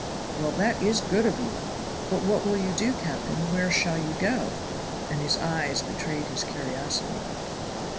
"Well, that is good of you. But what will you do, captain? Where shall you go?" And his eyes betrayed his curiosity.